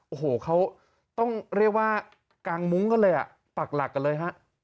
โอ้โหเขาต้องเรียกว่ากางมุ้งกันเลยอ่ะปักหลักกันเลยฮะ